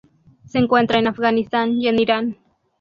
Se encuentra en Afganistán y en Irán.